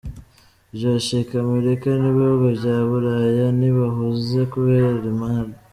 Vyoshika Amerika n'ibihugu vya bulaya ntibahuze kubera Irani?.